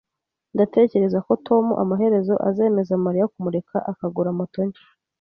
Ndatekereza ko Tom amaherezo azemeza Mariya kumureka akagura moto nshya